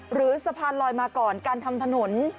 หรือสะพานลอยมาก่อนการทำถนน